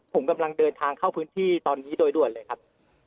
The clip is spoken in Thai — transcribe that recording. ผมกำลังเดินทางเข้าพื้นที่ตอนนี้โดยด่วนเลยครับ